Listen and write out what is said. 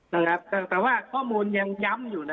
นะครับแต่ว่าข้อมูลยังย้ำอยู่นะ